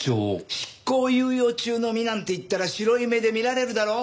執行猶予中の身なんて言ったら白い目で見られるだろ。